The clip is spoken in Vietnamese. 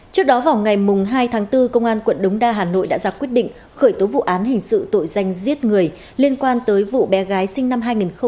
trước đó vào ngày hai tháng bốn công an quận đống đa hà nội đã ra quyết định khởi tố vụ án hình sự tội danh giết người liên quan tới vụ bé gái sinh năm hai nghìn một mươi